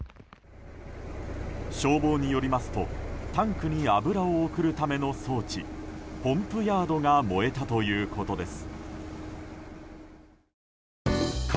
消防によりますとタンクに油を送るための装置ポンプヤードが燃えたということです。